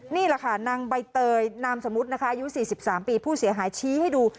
นี่แหละค่ะนางใบเตยนามสมมุตินะคะอายุ๔๓ปีผู้เสียหายชี้ให้ดู